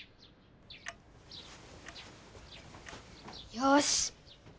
よし。